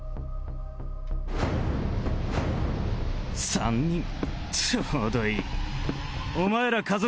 ３人ちょうどいい。